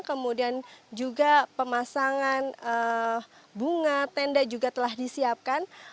kemudian juga pemasangan bunga tenda juga telah disiapkan